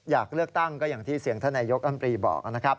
อยากเลือกตั้งก็อย่างที่เสียงท่านนายกรรมตรีบอกนะครับ